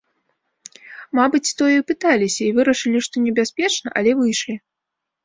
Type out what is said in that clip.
Мабыць, тое і пыталіся, і вырашылі, што небяспечна, але выйшлі.